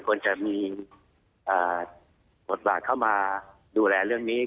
ควรจะมีบทบาทเข้ามาดูแลเรื่องนี้